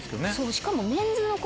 しかも。